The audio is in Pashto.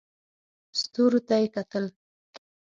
ستورو ته یې کتل.